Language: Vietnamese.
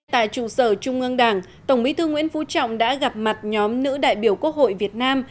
tại trụ sở trung ương đảng tổng bí thư nguyễn phú trọng đã gặp mặt nhóm nữ đại biểu quốc hội việt nam